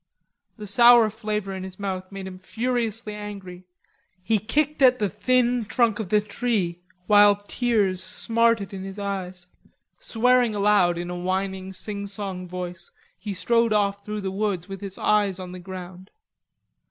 The sour flavour in his mouth made him furiously angry. He kicked at the thin trunk of the tree while tears smarted in his eyes. Swearing aloud in a whining singsong voice, he strode off through the woods with his eyes on the ground.